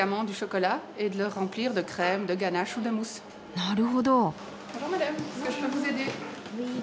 なるほど。